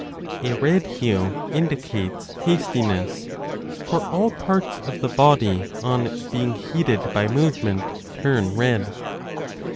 A red hue indicates hastiness, for all parts of the body on 20 being heated by movement turn red.